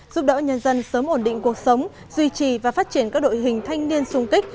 giúp đỡ nhân dân sớm ổn định cuộc sống duy trì và phát triển các đội hình thanh niên sung kích